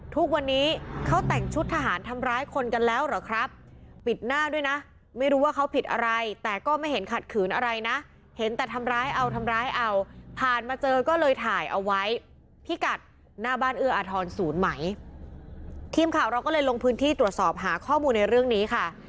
ทีมข่าวเราก็เลยลงพื้นที่ตรวจสอบการหาข้อมูลในเรื่องนี้ค่ะ